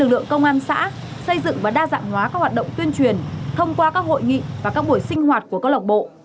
dạng hóa các hoạt động tuyên truyền thông qua các hội nghị và các buổi sinh hoạt của cơ lộ bộ